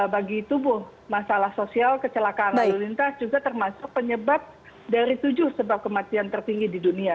bagi tubuh masalah sosial kecelakaan lalu lintas juga termasuk penyebab dari tujuh sebab kematian tertinggi di dunia